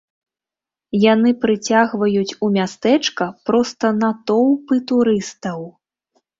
Яны прыцягваюць у мястэчка проста натоўпы турыстаў.